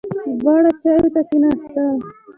دواړه چایو ته کېناستل.